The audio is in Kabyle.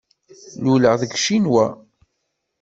Luleɣ deg Ccinwa.